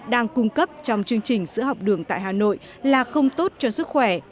đang cung cấp trong chương trình sữa học đường tại hà nội là không tốt cho sức khỏe